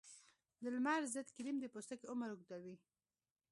د لمر ضد کریم د پوستکي عمر اوږدوي.